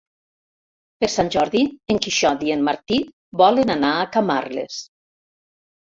Per Sant Jordi en Quixot i en Martí volen anar a Camarles.